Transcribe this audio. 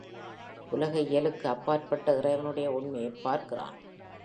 உலக இயலுக்கு அப்பாற்பட்ட இறைவனுடைய உண்மையைப் பார்க்கிறான்.